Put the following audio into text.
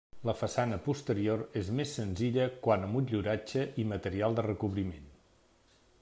La façana posterior és més senzilla quant a motlluratge i material de recobriment.